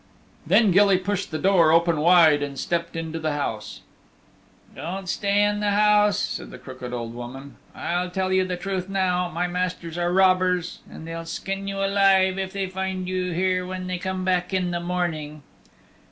Then Gilly pushed the door open wide and stepped into the house. "Don't stay in the house," said the crooked old woman. "I'll tell you the truth now. My masters are robbers, and they'll skin you alive if they find you here when they come back in the morning."